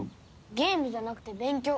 ゲームじゃなくて勉強。